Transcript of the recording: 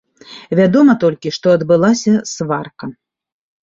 Вядома толькі, што адбылася сварка.